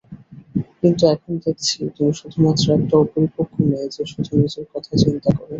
কিন্তু এখন দেখছি তুমি শুধুমাত্র একটা অপরিপক্ক মেয়ে যে শুধু নিজের কথা চিন্তা করে।